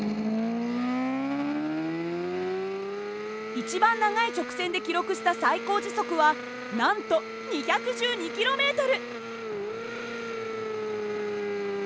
一番長い直線で記録した最高時速はなんと２１２ｋｍ。